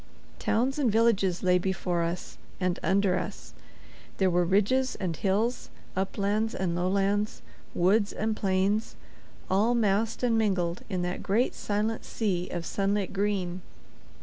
Towns and villages lay before us and under us; there were ridges and hills, uplands and lowlands, woods and plains, all massed and mingled in that great silent sea of sunlit green.